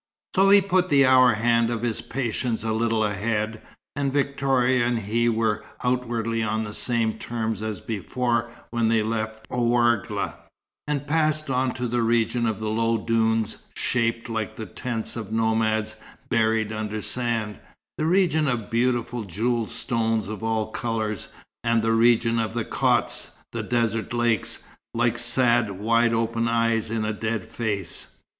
So he put the hour hand of his patience a little ahead; and Victoria and he were outwardly on the same terms as before when they left Ouargla, and passed on to the region of the low dunes, shaped like the tents of nomads buried under sand, the region of beautiful jewelled stones of all colours, and the region of the chotts, the desert lakes, like sad, wide open eyes in a dead face.